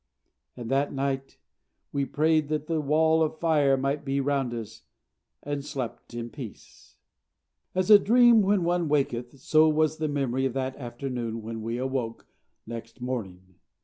And that night we prayed that the Wall of Fire might be round us, and slept in peace. As a dream when one awaketh, so was the memory of that afternoon when we awoke next morning.